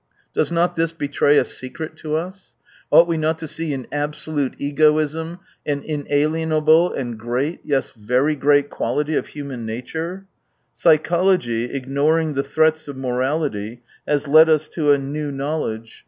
Does not this betray a " secret " to us ? Ought we not to see in absolute egoism an inalienable and great, yes, very great quality of human nature f Psychology, ignoring the threats of morality, has led us to a new knowledge.